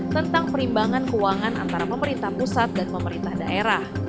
tentang perimbangan keuangan antara pemerintah pusat dan pemerintah daerah